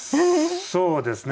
そうですね